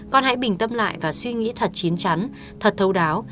con hãy bình tâm lại và suy nghĩ thật chín chắn thật thấu đáo